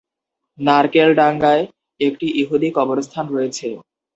নার্কেলডাঙ্গায় একটি ইহুদি কবরস্থান রয়েছে।